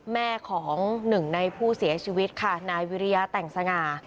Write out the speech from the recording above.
แม่ของหนึ่งในผู้เสียชีวิตค่ะนายวิริยาแต่งสง่า